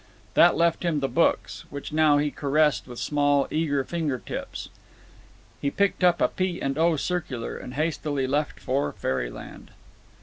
That left him the books, which he now caressed with small eager finger tips. He picked out a P. & O. circular, and hastily left for fairyland.